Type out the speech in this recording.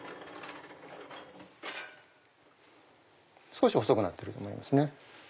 少し細くなってると思います。